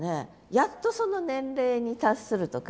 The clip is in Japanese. やっとその年齢に達するとか。